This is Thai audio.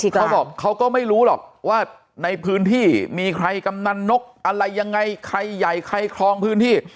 เขาบอกเขาก็ไม่รู้หรอกว่าในพื้นที่มีใครกำนันนกอะไรยังไงใครใหญ่ใครครองพื้นที่